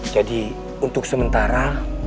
jadi untuk sementara